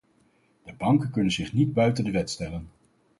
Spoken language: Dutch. De banken kunnen zich niet buiten de wet stellen.